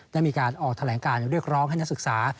ได้มีการออกแถลงการเรียกร้องให้นักศึกษา